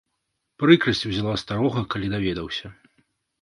Прыкрасць узяла старога, калі даведаўся.